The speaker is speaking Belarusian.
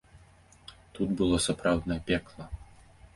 Тут было сапраўднае пекла!